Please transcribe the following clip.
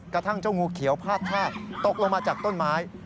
กระทั่งเจ้างูเขียวพาดทาดตกลงมาจากต้นไม้